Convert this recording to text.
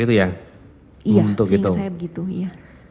iya seingat saya begitu iya